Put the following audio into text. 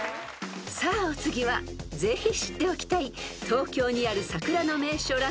［さあお次はぜひ知っておきたい東京にある桜の名所